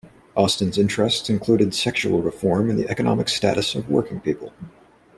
Austin's interests included sexual reform and the economic status of working people.